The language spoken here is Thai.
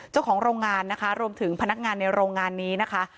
เจ้าของโรงงานนะคะรวมถึงพนักงานในโรงงานนี้นะคะ